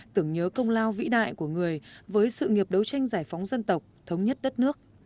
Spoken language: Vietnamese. tưởng nhớ công lao vĩ đại của người với sự nghiệp đấu tranh giải phóng dân tộc thống nhất đất nước